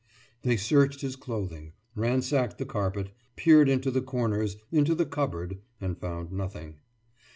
They searched his clothing, ransacked the carpet, peered into the corners, into the cupboard, and found nothing.